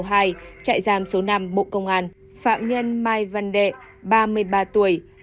trại giam số năm bộ công an phạm nhân mai văn đệ ba mươi ba tuổi